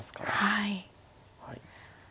はい。